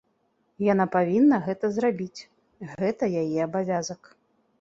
Яна павінна гэта зрабіць, гэта яе абавязак.